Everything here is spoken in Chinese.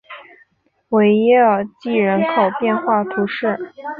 维耶尔济人口变化图示